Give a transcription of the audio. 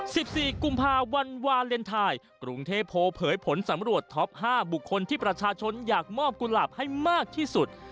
สิบสี่กุมภาวันวาเลนไทยกรุงเทพโพลเผยผลสำรวจท็อปห้าบุคคลที่ประชาชนอยากมอบกุหลาบให้มากที่สุด